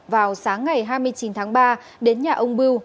vào sáng ngày hai mươi chín tháng ba đến nhà ông bưu